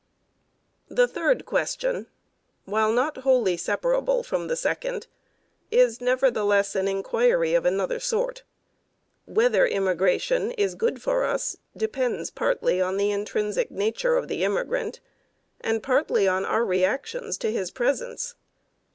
The third question, while not wholly separable from the second, is nevertheless an inquiry of another sort. Whether immigration is good for us depends partly on the intrinsic nature of the immigrant and partly on our reactions to his presence.